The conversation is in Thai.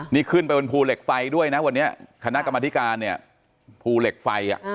นี่ขึ้นไปบนภูเหล็กไฟด้วยนะวันนี้คณะกรรมธิการเนี่ยภูเหล็กไฟ